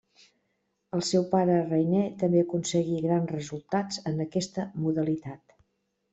El seu pare Rainer també aconseguí grans resultats en aquesta modalitat.